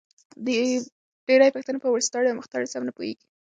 ډېری پښتانه په وروستاړې او مختاړې سم نه پوهېږې